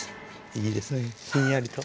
いいですねひんやりと。